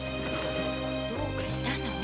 どうかしたの？